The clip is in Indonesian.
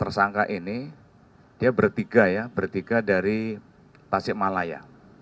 tersangka ini dia bertiga ya bertiga dari tasik malaya